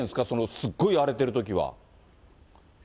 すっごい荒れてるときは。